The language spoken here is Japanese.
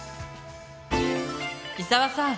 伊沢さん